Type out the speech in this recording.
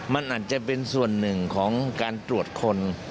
มันอาจจะเป็นส่วนหนึ่งของการตรวจคน